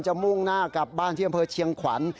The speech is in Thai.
มุ่งหน้ากลับบ้านที่อำเภอเชียงขวัญ